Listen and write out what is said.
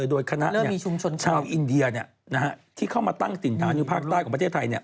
โดยคณะชาวอินเดียที่เข้ามาตั้งสินค้าอยู่ภาคใต้ของประเทศไทย